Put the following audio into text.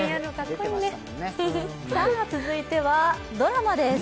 続いてはドラマです。